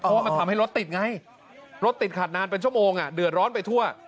เพราะว่ามันทำให้รถติดไงรถติดขัดนานเป็นชั่วโมงเดือดร้อนไปทั่ว